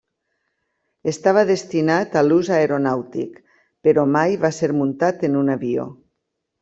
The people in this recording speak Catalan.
Estava destinat a l'ús aeronàutic, però mai va ser muntat en un avió.